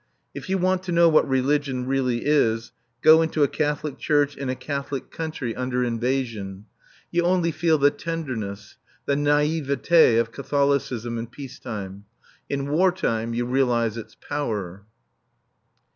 If you want to know what Religion really is, go into a Catholic church in a Catholic country under invasion. You only feel the tenderness, the naïveté of Catholicism in peace time. In war time you realize its power.